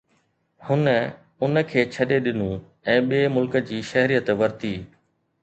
هن ان کي ڇڏي ڏنو ۽ ٻئي ملڪ جي شهريت ورتي